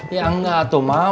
ya nggak tuh mak